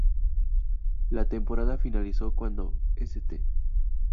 La temporada finalizó cuando St.